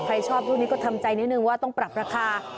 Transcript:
ใครชอบรุ่นนี้ก็ทำใจนิดนึงว่าต้องปรับราคา